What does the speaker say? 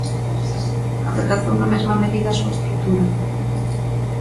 Adelgazou na mesma medida a súa estrutura?